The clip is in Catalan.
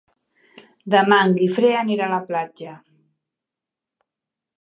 Demà en Guifré anirà a la platja.